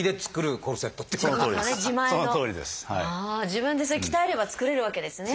自分でそれ鍛えれば作れるわけですね。